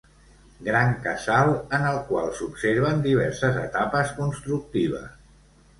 Gran casal en el qual s'observen diverses etapes constructives.